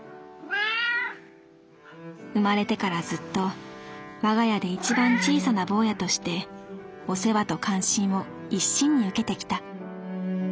「生まれてからずっと我が家でいちばん小さな坊やとしてお世話と関心を一心に受けてきた。